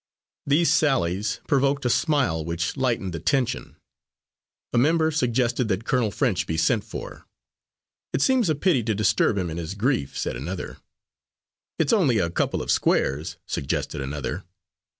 These sallies provoked a smile which lightened the tension. A member suggested that Colonel French be sent for. "It seems a pity to disturb him in his grief," said another. "It's only a couple of squares," suggested another.